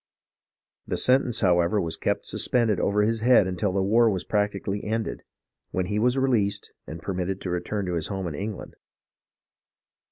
The sentence, however, was kept suspended over his head until the war was practically ended, when he was released and permitted to return to his home in England.